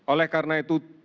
oleh karena itu